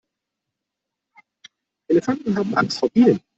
Elefanten haben Angst vor Bienen.